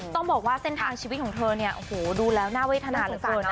ต้องบอกว่าเส้นทางชีวิตของเธอเนี่ยโอ้โหดูแล้วน่าเวทนาเหลือเกินนะ